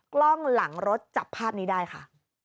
กล้องหลังรถจับภาพนี้ได้ค่ะ